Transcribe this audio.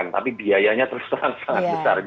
tapi biayanya terus terang sangat besar